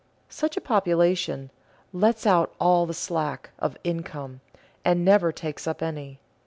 Such a population "lets out all the slack" of income, and never takes up any.